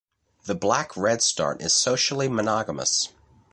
The black redstart is socially monogamous.